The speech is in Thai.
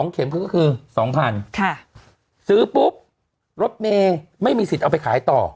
เข็มคือก็คือ๒๐๐๐ซื้อปุ๊บรถเมย์ไม่มีสิทธิ์เอาไปขายต่อ